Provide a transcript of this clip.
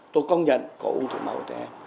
tôi công nhận có ung thư máu của trẻ em